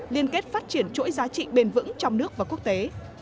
liên kết phát triển chuỗi giá trị bền vững trong nước và quốc tế